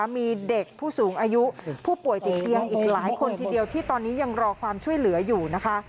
มีเด็กผู้สูงอายุผู้ป่วยติดเตียงอีกหลายคนทีเดียวที่ตอนนี้ยังรอความช่วยเหลืออยู่นะคะ